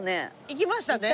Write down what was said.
いきましたね。